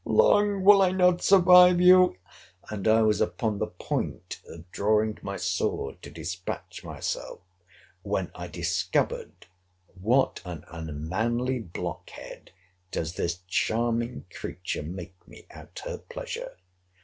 —Long will I not survive you!—And I was upon the point of drawing my sword to dispatch myself, when I discovered—[What an unmanly blockhead does this charming creature make me at her pleasure!